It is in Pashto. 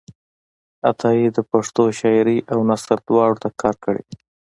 عطایي د پښتو شاعرۍ او نثر دواړو ته کار کړی دی.